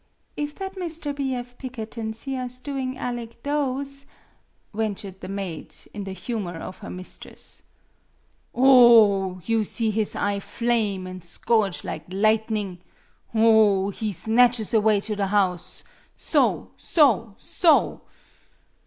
"If that Mr. B. F. Pikkerton see us doing alig those" ventured the maid, in the hu mor of her mistress. "O o o! You see his eye flame an' scorch lig lightening! O o o! He snatch us away to the house so so so!"